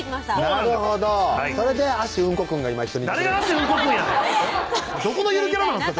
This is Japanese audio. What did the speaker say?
なるほどそれで足うんこくんが今一緒に誰が足うん